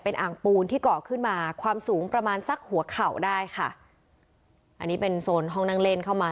อ่างปูนที่เกาะขึ้นมาความสูงประมาณสักหัวเข่าได้ค่ะอันนี้เป็นโซนห้องนั่งเล่นเข้ามา